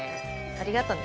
ありがとね。